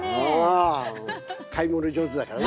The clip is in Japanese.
あ買い物上手だからな。